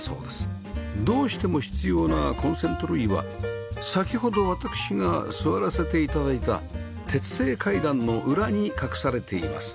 どうしても必要なコンセント類は先ほど私が座らせて頂いた鉄製階段の裏に隠されています